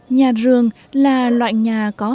nhà rường là loại nhà có hệ thống kết cấu